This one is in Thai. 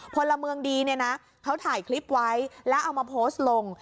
พลเมืองดีเนี่ยนะเขาถ่ายคลิปไว้แล้วเอามาโพสต์ลง